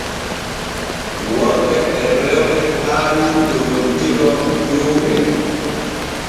Worɓe e rewɓe haani joggontiro juuɗe.